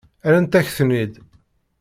Rrant-ak-ten-id.